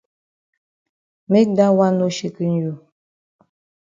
Make dat wan no shaken you.